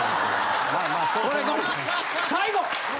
最後！